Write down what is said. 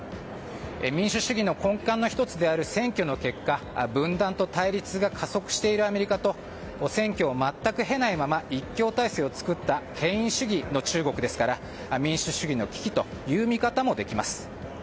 民主主義の根幹の１つである選挙の結果、分断と対立が加速しているアメリカと選挙を全く経ないまま一強体制を作った権威主義の中国ですから民主主義の危機という見方もできます。